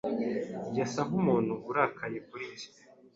Yasa nkumuntu urakaye kuri njye